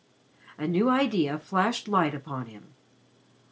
A new idea flashed light upon him.